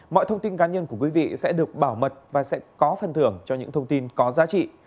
mọi thông tin cá nhân của quý vị sẽ được bảo mật và sẽ có phần thưởng cho những thông tin có giá trị